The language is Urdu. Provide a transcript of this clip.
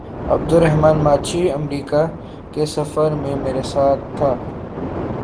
عبدالرحمٰن ماچھی امریکہ کے سفر میں میرے ساتھ تھا۔